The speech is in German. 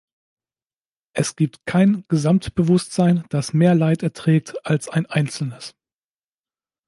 Es gibt kein Gesamtbewusstsein, das mehr Leid erträgt als ein einzelnes.